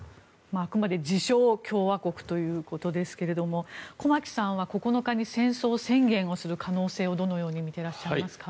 あくまで自称・共和国ということですが駒木さんは９日に戦争宣言をする可能性についてどのように見ていますか？